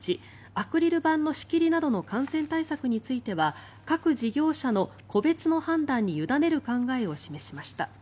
アクリル板の仕切りなどの感染対策については各事業者の個別の判断に委ねる考えを示しました。